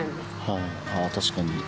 あ確かに。